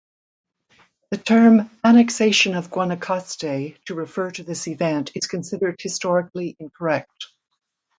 The term "annexation of Guanacaste" to refer to this event is considered historically incorrect.